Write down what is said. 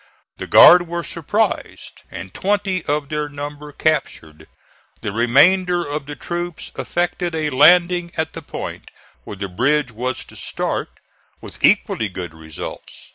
The guard were surprised, and twenty of their number captured. The remainder of the troops effected a landing at the point where the bridge was to start, with equally good results.